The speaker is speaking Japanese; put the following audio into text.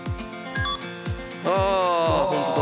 ああホントだ。